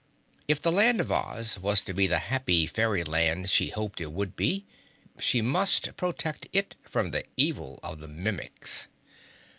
If the Land of Oz was to be the happy fairyland she hoped it would be, she must protect it from the evil of the Mimics.